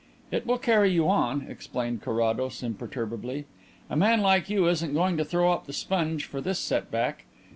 "It will carry you on," explained Carrados imperturbably. "A man like you isn't going to throw up the sponge for this set back.